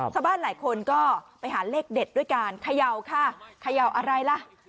ท่าบ้านหลายคนก็ไปหาเลขเด็ดด้วยกันขยาวค่ะขยาวอะไรล่ะ